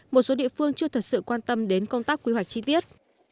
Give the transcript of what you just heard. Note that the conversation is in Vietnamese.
một số địa phương chưa thật sự quan tâm đến công tác quy hoạch chi tiết